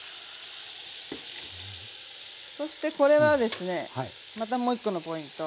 そしてこれはですねまたもう１個のポイント。